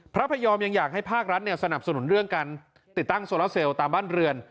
พระพยอมยังอยากให้ภาครัฐสนับสนุนเรื่องการติดตั้งโซลาเซลตามบ้านเรือน